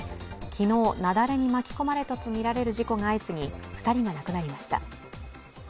昨日、雪崩に巻き込まれたとみられる事故が相次ぎ、２人が亡くなりました。